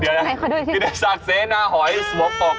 เดี๋ยวหล่ะนะคิฟสักเซนาหอยสวมปลอกคอ